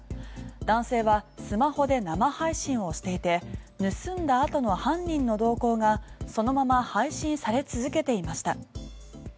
男性はスマホで生配信をしていて盗んだあとの犯人の動向がそのまま配信され続けていました。